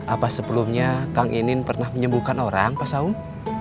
apa sebelumnya kang ini pernah menyembuhkan orang pak saung